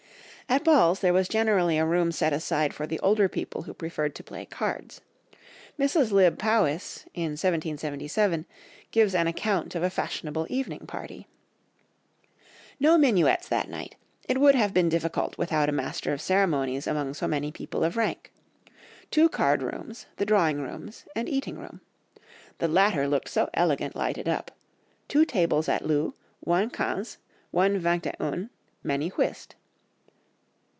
At balls there was generally a room set aside for the older people who preferred to play cards. Mrs. Lybbe Powys, in 1777, gives an account of a fashionable evening party— "No minuets that night; it would have been difficult without a master of ceremonies among so many people of rank. Two card rooms, the drawing rooms and eating room. The latter looked so elegant lighted up; two tables at loo, one quinze, one vingt et une, many whist.